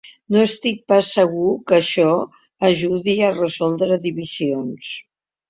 No estic pas segur que això ajudi a resoldre divisions.